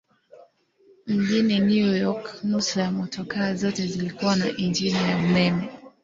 Mjini New York nusu ya motokaa zote zilikuwa na injini ya umeme.